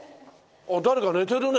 誰か寝てるね。